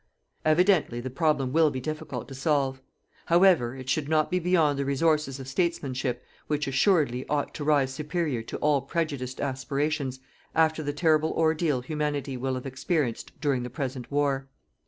Evidently the problem will be difficult to solve. However, it should not be beyond the resources of statesmanship which, assuredly, ought to rise superior to all prejudiced aspirations after the terrible ordeal Humanity will have experienced during the present war.